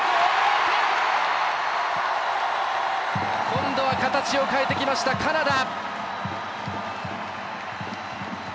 今度は形を変えてきましたカナダ。